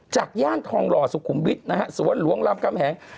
จากย่านทองรอสุขุมวิทย์สวนหลวงรับกำแหง